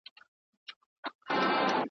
چي یوه خدای ته زر کلونه پر سجده وو کلی .